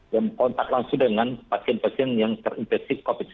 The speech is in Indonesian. yang kontak langsung dengan pasien pasien yang terinfeksi covid sembilan belas